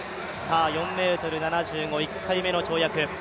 ４ｍ７５、１回目の跳躍。